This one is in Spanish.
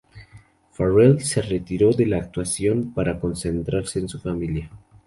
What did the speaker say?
Farrell se retiró de la actuación para concentrarse en su familia.